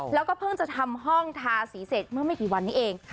แล้วก็เพิ่งจะทำห้องทาสีเสร็จเมื่อไม่กี่วันนี้เอง